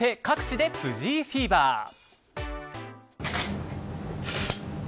各地で藤井フィーバー。